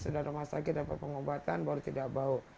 sudah rumah sakit dapat pengobatan baru tidak bau